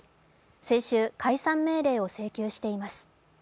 先週、解散命令を請求しています。